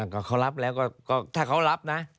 ก็เขารับแล้วก็ถ้าเขารับนะ